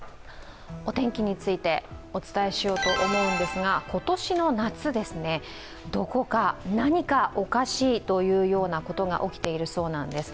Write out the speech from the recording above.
お天気についてお伝えしようと思うんですが今年の夏、どこか、何かおかしいということが起きているそうなんです。